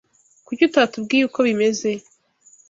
Kuki utatubwiye uko bimeze?